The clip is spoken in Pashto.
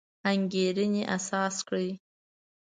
انګېرنې اساس کړی.